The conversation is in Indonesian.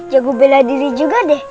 jago bela diri juga deh